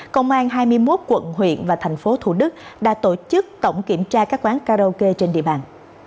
công an hai mươi một quận huyện và thành phố thủ đức đã tổ chức tổng kiểm tra các quán karaoke trên địa bàn